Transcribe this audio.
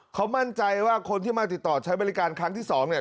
เขามั่นใจว่าคนที่มาติดต่อใช้บริการครั้งที่สองเนี่ย